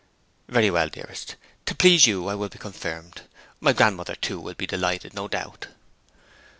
'Very well, dearest. To please you I'll be confirmed. My grandmother, too, will be delighted, no doubt.'